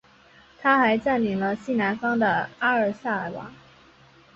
他还占领了西南方的阿尔萨瓦。